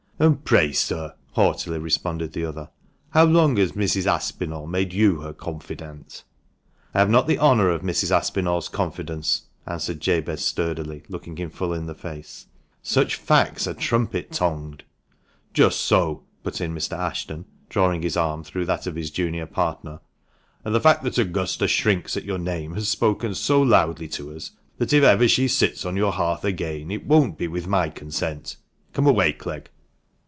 "And pray, sir," haughtily responded the other, "how long has Mrs. Aspinall made you her confidant ?"" I have not the honour of Mrs. Aspinall's confidence," answered Jabez sturdily, looking him full in the face ;" such facts are trumpet tongued." "Just so," put in Mr. Ashton, drawing his arm through that of his junior partner. "And the fact that Augusta shrinks at your name has spoken so loudly to us that if ever she sits on your hearth again it won't be with my consent. Come away, Clegg."